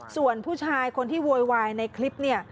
ส่วนผู้ชายคนที่โวยวายในคลิปเนี่ย